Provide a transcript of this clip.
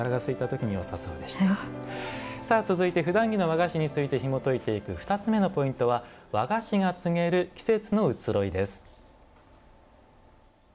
続いて、ふだん着の和菓子についてひもといていく２つ目のポイントは「和菓子が告げる季節の移ろい」です。